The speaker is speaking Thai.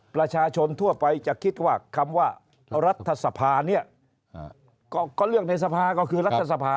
ประชาชนทั่วไปจะคิดว่าคำว่ารัฐสภาเนี่ยก็เลือกในสภาก็คือรัฐสภา